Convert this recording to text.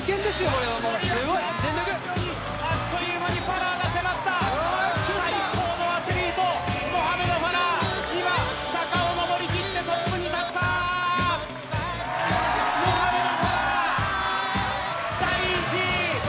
これはもうすごい全力森脇の後ろにあっという間にファラーが迫った最高のアスリートモハメド・ファラー今坂を上り切ってトップに立ったモハメド・ファラー第１位！